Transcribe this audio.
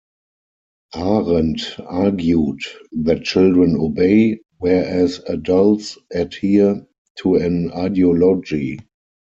Arendt argued that children obey, whereas adults adhere to an ideology.